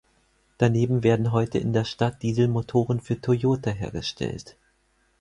Daneben werden heute in der Stadt Dieselmotoren für "Toyota" hergestellt.